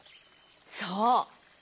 そう。